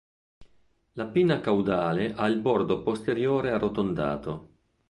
La pinna caudale ha il bordo posteriore arrotondato.